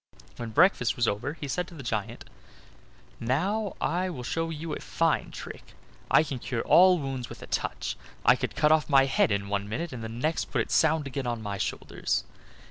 When breakfast was over he said to the giant: "Now I will show you a fine trick. I can cure all wounds with a touch; I could cut off my head in one minute, and the next put it sound again on my shoulders.